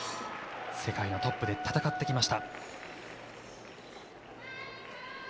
世界のトップで戦ってきました。